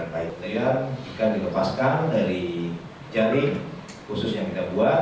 ya ikan dilepaskan dari jaring khusus yang kita buat